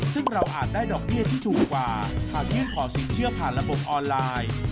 ซึ่งเราอาจได้ดอกเบี้ยที่ถูกกว่าหากยื่นขอสินเชื่อผ่านระบบออนไลน์